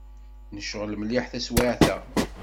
Necɣel mliḥ taswiɛt-a.